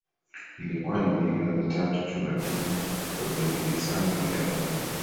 ilikuwa ni milioni tatu tu lakini kwa juhudi zangu leo hii